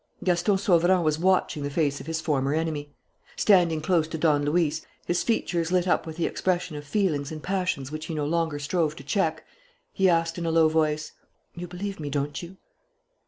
Gaston Sauverand was watching the face of his former enemy. Standing close to Don Luis, his features lit up with the expression of feelings and passions which he no longer strove to check, he asked, in a low voice: "You believe me, don't you?"